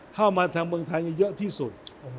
เข้ามาทางเมืองไทยเยอะที่สุด